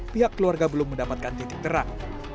pihak keluarga belum mendapatkan titik terang